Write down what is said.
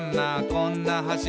こんな橋」